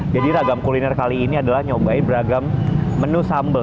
jadi ragam kuliner kali ini adalah nyobain beragam menu sambal